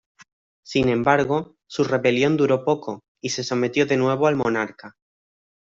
Sin embargo, su rebelión duró poco, y se sometió de nuevo al monarca.